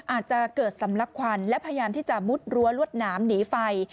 อาจจะเกิดสำลักควันและพยายามที่จะมุดรั้วลวดหนามหนีไฟ